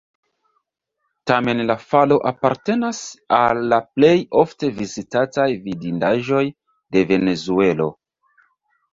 Tamen la falo apartenas al la plej ofte vizitataj vidindaĵoj de Venezuelo.